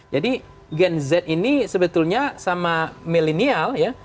jadi gen z ini sebetulnya sama millennial ya